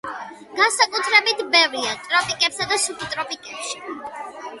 განსაკუთრებით ბევრია ტროპიკებსა და სუბტროპიკებში.